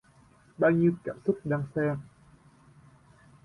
Bao nhiêu cảm xúc đan xen